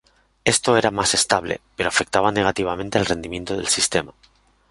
Esto era más estable, pero afectaba negativamente al rendimiento del sistema.